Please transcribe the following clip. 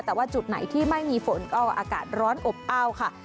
แต่ว่าจุดไหนที่ไม่มีฝนก็อากาศร้อนอบอ้าวค่ะ